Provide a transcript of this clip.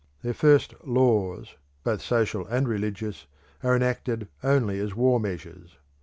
Their first laws, both social and religious, are enacted only as war measures.